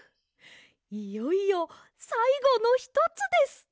いよいよさいごのひとつです。